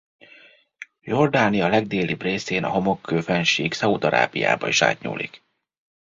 Jordánia legdélibb részén a homokkő fennsík Szaúd-Arábiába is átnyúlik.